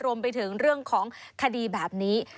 รวมไปถึงเรื่องของคดีแบบนี้